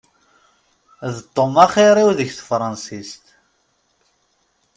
D Tom axir-iw deg tefransist.